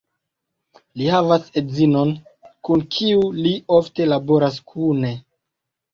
Li havas edzinon, kun kiu li ofte laboras kune.